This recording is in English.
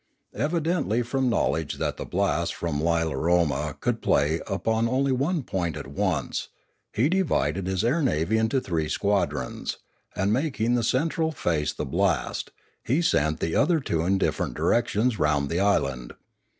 Evidently from knowledge that the blast from Lilaroma could play upon only one point at once, he divided his air navy into three squadrons, and making the central face the blast, he sent the other two in different direc tions round the island.